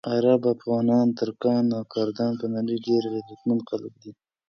عرب، افغانان، ترکان او کردان په نړۍ ډېر غیرتمند خلک دي.